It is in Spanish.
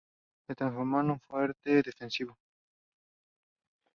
Se transformó en un fuerte defensivo.